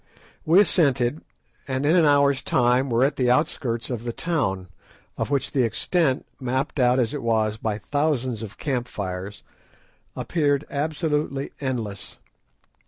We assented, and in an hour's time were at the outskirts of the town, of which the extent, mapped out as it was by thousands of camp fires, appeared absolutely endless.